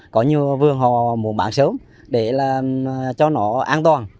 có nhiều vương hò muốn bán sớm để cho nó an toàn